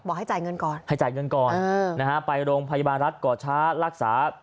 ให้จ่ายเงินก่อนให้จ่ายเงินก่อนนะฮะไปโรงพยาบาลรัฐก่อช้ารักษา